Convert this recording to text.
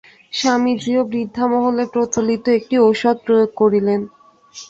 স্বামীজীও বৃদ্ধামহলে প্রচলিত একটি ঔষধ প্রয়োগ করিলেন।